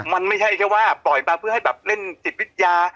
มันไม่ใช่แค่ว่าปล่อยมาเพื่อให้แบบเล่นจิตวิทยา